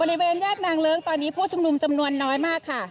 บริเวณแยกนางเลิ้งตอนนี้ผู้ชุมนุมจำนวนน้อยมากค่ะ